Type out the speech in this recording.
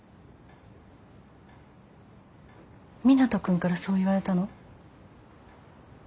湊斗君からそう言われたの？